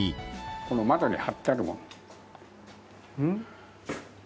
この窓に貼ってあるもの。